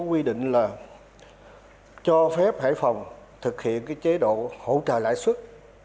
nó quy định là cho phép hải phòng thực hiện cái chế độ hỗ trợ lãi xuất